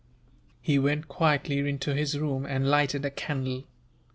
He went quietly into his room and lighted a candle.